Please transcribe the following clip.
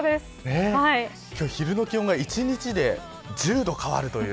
今日、昼の気温が１日で１０度変わります。